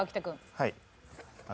はい。